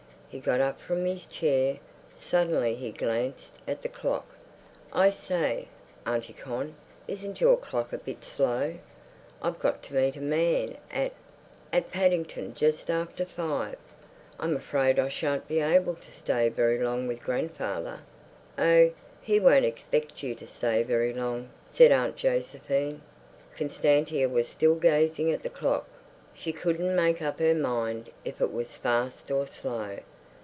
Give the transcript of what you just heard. He got up from his chair; suddenly he glanced at the clock. "I say, Auntie Con, isn't your clock a bit slow? I've got to meet a man at—at Paddington just after five. I'm afraid I shan't be able to stay very long with grandfather." "Oh, he won't expect you to stay very long!" said Aunt Josephine. Constantia was still gazing at the clock. She couldn't make up her mind if it was fast or slow.